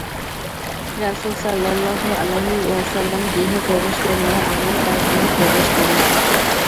রাসূল সাল্লাল্লাহু আলাইহি ওয়াসাল্লাম গৃহে প্রবেশ করলে আমিও তার গৃহে প্রবেশ করলাম।